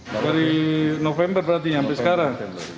dari november berarti sampai sekarang